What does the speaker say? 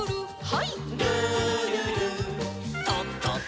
はい。